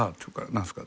「何すか？」。